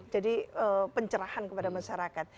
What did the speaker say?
jadi pencerahan kepada masyarakat